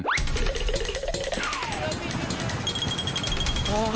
ได้ให้อีกหน่อยก็ได้ครับ